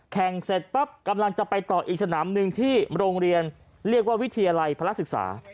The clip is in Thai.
เสร็จปั๊บกำลังจะไปต่ออีกสนามหนึ่งที่โรงเรียนเรียกว่าวิทยาลัยพระราชศึกษา